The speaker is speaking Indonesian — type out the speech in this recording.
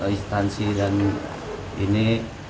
instansi dan ini